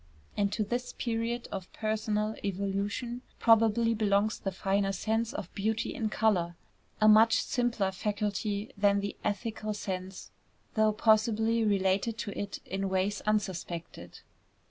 And to this period of personal evolution probably belongs the finer sense of beauty in color, a much simpler faculty than the ethical sense, though possibly related to it in ways unsuspected.